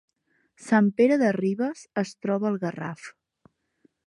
Sant Pere de Ribes es troba al Garraf